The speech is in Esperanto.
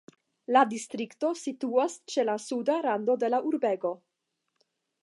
La distrikto situas ĉe la suda rando de la urbego.